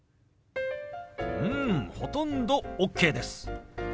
うんほとんどＯＫです。